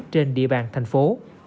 trên địa bàn thành phố